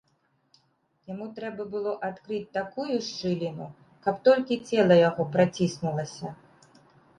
Яму трэба было адкрыць такую шчыліну, каб толькі цела яго праціснулася.